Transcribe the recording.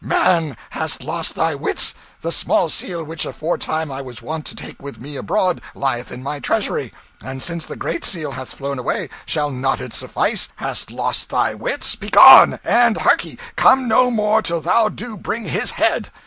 "Man, hast lost thy wits? The small Seal which aforetime I was wont to take with me abroad lieth in my treasury. And, since the Great Seal hath flown away, shall not it suffice? Hast lost thy wits? Begone! And hark ye come no more till thou do bring his head."